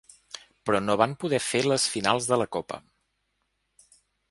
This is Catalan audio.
Però no van poder fer les finals de la Copa.